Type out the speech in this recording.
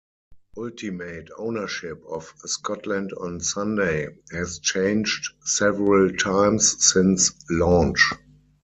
Ultimate ownership of "Scotland on Sunday" has changed several times since launch.